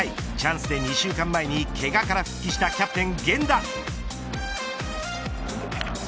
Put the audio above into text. チャンスで２週間前にけがから復帰したキャプテン源田。